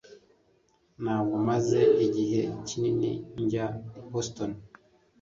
Ntabwo maze igihe kinini njya i Boston